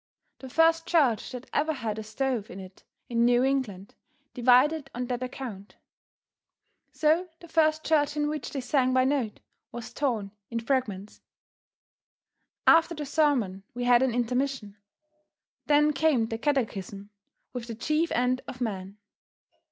The first church that ever had a stove in it in New England, divided on that account. So the first church in which they sang by note, was torn in fragments. After the sermon we had an intermission. Then came the catechism with the chief end of man.